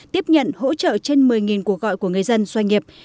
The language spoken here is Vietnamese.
tiếp nhận hỗ trợ trên một mươi cuộc gọi của người dân doanh nghiệp